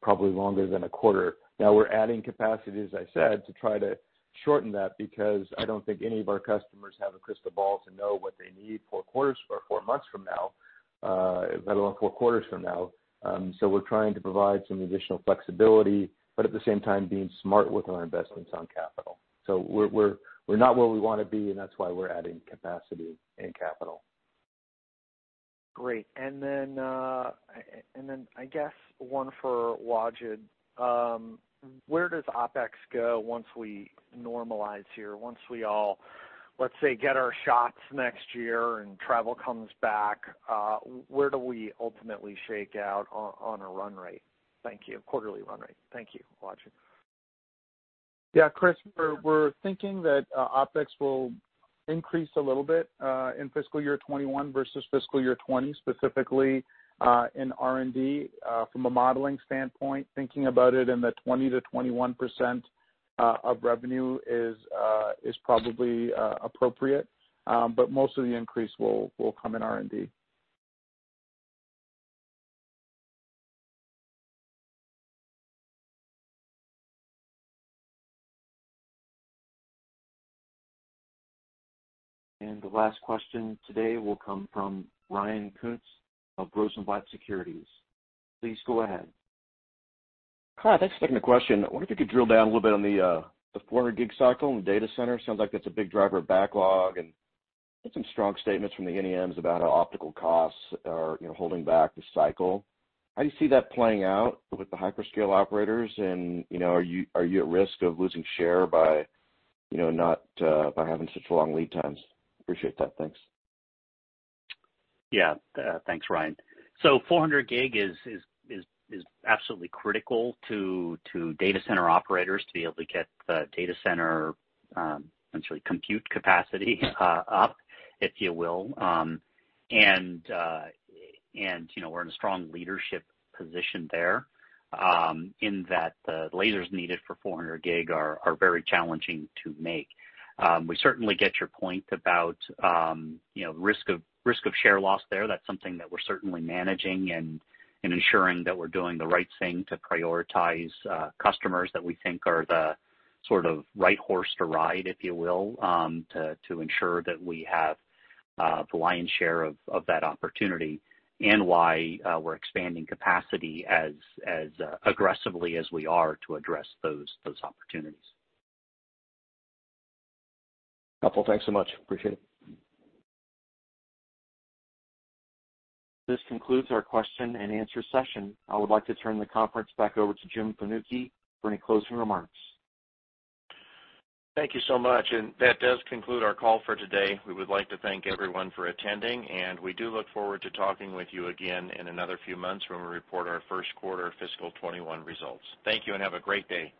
probably longer than a quarter. We're adding capacity, as I said, to try to shorten that, because I don't think any of our customers have a crystal ball to know what they need four months from now, let alone four quarters from now. We're trying to provide some additional flexibility, but at the same time, being smart with our investments on capital. We're not where we want to be, and that's why we're adding capacity and capital. Great. Then, I guess one for Wajid. Where does OpEx go once we normalize here, once we all, let's say, get our shots next year and travel comes back? Where do we ultimately shake out on a run rate? Thank you. Quarterly run rate. Thank you, Wajid. Yeah, Chris, we're thinking that OpEx will increase a little bit in fiscal year 2021 versus fiscal year 2020, specifically in R&D. From a modeling standpoint, thinking about it in the 20%-21% of revenue is probably appropriate. Most of the increase will come in R&D. The last question today will come from Ryan Koontz of Rosenblatt Securities. Please go ahead. Hi, thanks for taking the question. I wonder if you could drill down a little bit on the 400 Gb cycle in the data center. Sounds like that's a big driver of backlog, and there's some strong statements from the OEMs about how optical costs are holding back the cycle. How do you see that playing out with the hyperscale operators? Are you at risk of losing share by having such long lead times? Appreciate that. Thanks. Yeah. Thanks, Ryan. 400 Gb is absolutely critical to data center operators to be able to get the data center compute capacity up, if you will. We're in a strong leadership position there, in that the lasers needed for 400 Gb are very challenging to make. We certainly get your point about risk of share loss there. That's something that we're certainly managing and ensuring that we're doing the right thing to prioritize customers that we think are the sort of right horse to ride, if you will, to ensure that we have the lion's share of that opportunity, and why we're expanding capacity as aggressively as we are to address those opportunities. Helpful. Thanks so much. Appreciate it. This concludes our question and answer session. I would like to turn the conference back over to Jim Fanucchi for any closing remarks. Thank you so much. That does conclude our call for today. We would like to thank everyone for attending, and we do look forward to talking with you again in another few months when we report our first quarter fiscal 2021 results. Thank you, and have a great day.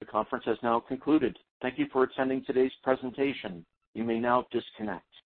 The conference has now concluded. Thank you for attending today's presentation. You may now disconnect.